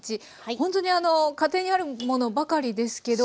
ほんとに家庭にあるものばかりですけど。